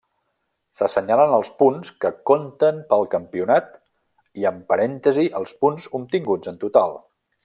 S'assenyalen els punts que conten pel campionat i amb parèntesi els punts obtinguts en total.